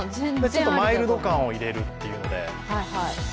マイルド感を入れるっていうので。